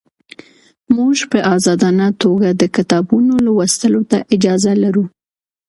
موږ په ازادانه توګه د کتابونو لوستلو ته اجازه لرو.